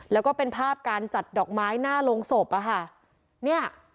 แล้วก็เป็นภาพการจัดดอกไม้หน้าโรงศพอะค่ะเนี่ย